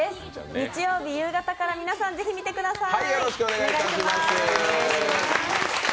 日曜日夕方から皆さん、ぜひ見てください。